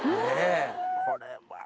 これは。